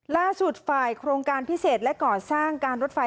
ล่าสุดฝ่ายโครงการพิเศษและก่อสร้างการรถไฟ